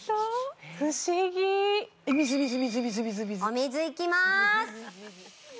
お水いきまーす